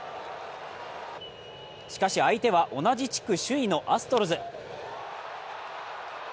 しかし、相手は同じ地区首位のアストロズ。